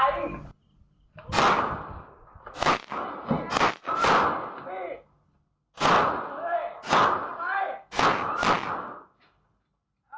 นี่อย่าเลื่อนไงนะ